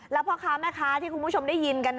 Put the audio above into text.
แล้วพ่อค้าแม่ค้าที่คุณผู้ชมได้ยินกัน